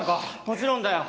もちろんだよ。